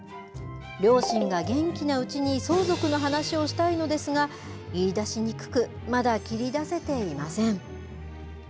両親が元気なうちに相続の話をしたいのですが、言いだしにくく、まだ切り出せていません。